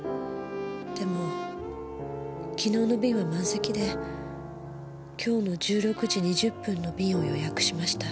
でも昨日の便は満席で今日の１６時２０分の便を予約しました。